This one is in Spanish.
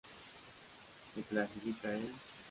Se clasifican en